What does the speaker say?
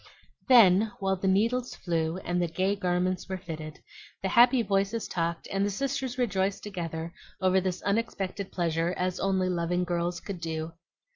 Then, while the needles flew and the gay garments were fitted, the happy voices talked and the sisters rejoiced together over this unexpected pleasure as only loving girls could do.